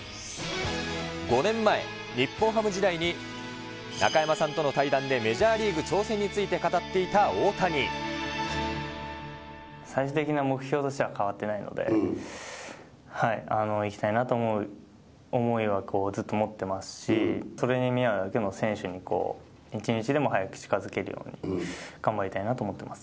５年前、日本ハム時代に中山さんとの対談でメジャーリーグ挑戦について語最終的な目標としては変わってないので、いきたいなという思いはずっと持ってますし、それに見合うだけの選手に、一日でも早く近づけるように頑張りたいなと思ってます。